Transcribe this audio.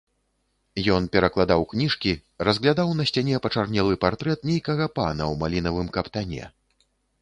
Ён перакладаў кніжкі, разглядаў на сцяне пачарнелы партрэт нейкага пана ў малінавым каптане.